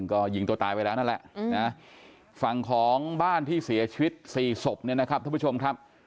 ก็ยิงตัวตายไปแล้วนั่นแหละนะฝั่งของบ้านที่เสียชีวิต๔ศพเนี่ยนะครับท่านผู้ชมครับ